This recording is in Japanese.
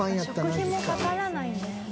食費もかからないんですね。